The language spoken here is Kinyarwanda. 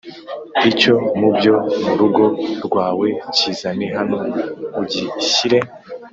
icyo mu byo mu rugo rwawe Kizane hano ugishyire